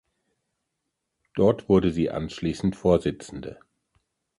Dort wurde sie anschließend Vorsitzende.